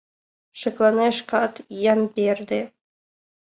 Шеклане шкат, Ямберде.